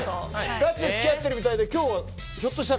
ガチで付き合ってるみたいで今日はひょっとしたら。